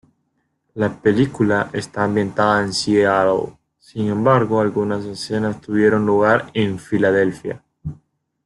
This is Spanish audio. La película está ambientada en Seattle, sin embargo, algunas escenas tuvieron lugar en Filadelfia.